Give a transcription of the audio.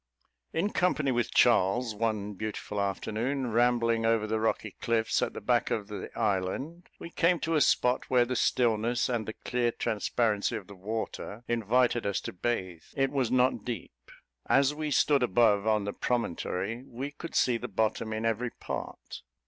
In company with Charles, one beautiful afternoon, rambling over the rocky cliffs at the back of the island, we came to a spot where the stillness, and the clear transparency of the water invited us to bathe. It was not deep. As we stood above, on the promontory, we could see the bottom in every part.